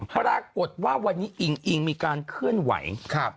ปรากฏว่าวันนี้อิงอิงมีการเคลื่อนไหว